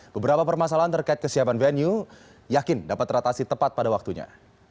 beberapa permasalahan terkait kesiapan venue yakin dapat teratasi tepat pada waktunya